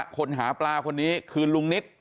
คนหาปลาคนนี้คือลุงนิต